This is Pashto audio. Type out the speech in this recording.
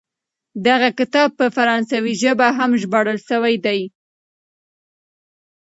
دغه کتاب په فرانسوي ژبه هم ژباړل سوی دی.